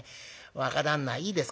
若旦那いいですか。